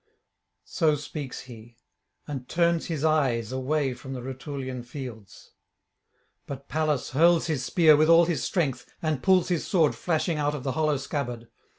So speaks he, and turns his eyes away from the Rutulian fields. But Pallas hurls his spear with all his strength, and pulls his sword flashing out of the hollow scabbard.